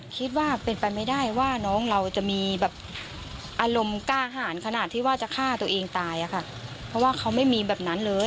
คิดว่าเป็นไปไม่ได้ว่าน้องเราจะมีแบบ